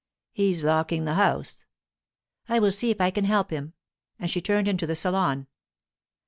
'He's locking the house.' 'I will see if I can help him,' and she turned into the salon.